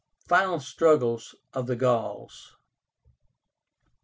FINAL STRUGGLES OF THE GAULS.